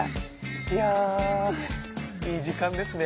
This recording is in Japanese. いやいい時間ですね。